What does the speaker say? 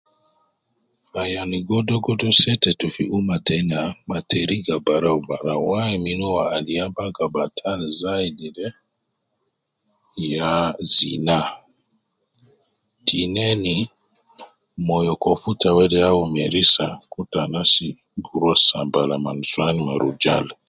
Ayani godo godo setetu fi umma tena ma teriga barau barau, wai min uwo, al ya baga batal zaidi de ,ya zina, tinen moyo kofuta wede au merisa kutu anas gi rua sambala me nusuwan ,me rujal